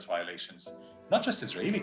bukan hanya perusahaan israel